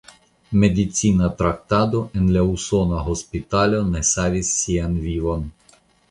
Medicina traktado en la usona hospitalo ne savis sian vivon.